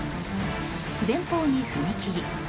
前方に踏切。